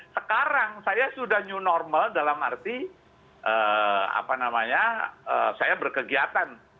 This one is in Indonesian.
sekarang saya sudah new normal dalam arti apa namanya saya berkegiatan